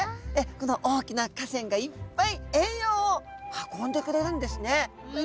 この大きな河川がいっぱい栄養を運んでくれるんですね。